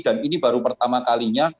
dan ini baru pertama kalinya